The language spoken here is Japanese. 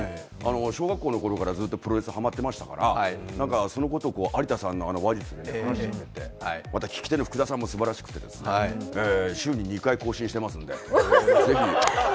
小学校の頃からずっとプロレスハマってましたから、そのことを有田さんの話術で楽しいんで、また聴き手の福田さんもすばらしくて週に２回更新してますんで、ぜひ。